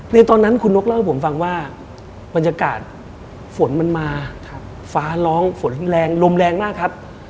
ในตอนนั้นคุณนกเล่าให้ผมฟังว่าบรรยากาศฝนมันมาฟ้าร้องฝนแรงลมแรงมากครับ